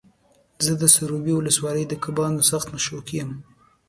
زه د سروبي ولسوالۍ د کبانو سخت شوقي یم.